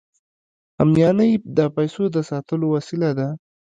همیانۍ د پیسو د ساتلو وسیله ده